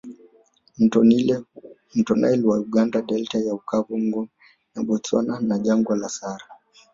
Mto Nile wa Uganda Delta ya Okava ngo ya Bostwana na Jangwa la Sahara